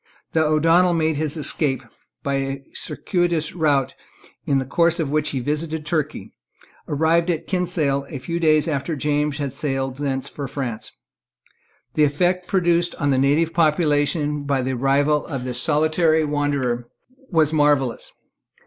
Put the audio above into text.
The O'Donnel made his escape, and by a circuitous route, in the course of which he visited Turkey, arrived at Kinsale a few days after James had sailed thence for France. The effect produced on the native population by the arrival of this solitary wanderer was marvellous.